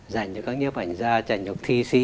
dành cho các nhóm ảnh gia trạng nhục thi sĩ